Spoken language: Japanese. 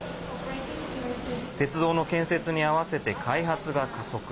鉄道の建設に合わせて開発が加速。